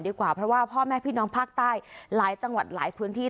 กว่าเพราะว่าพ่อแม่พี่น้องภาคใต้หลายจังหวัดหลายพื้นที่